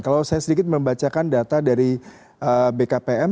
kalau saya sedikit membacakan data dari bkpm